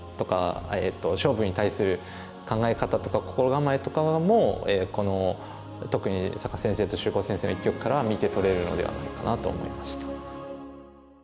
勝負に対する考え方とか心構えとかも特に坂田先生と秀行先生の一局からは見て取れるのではないかなと思いました。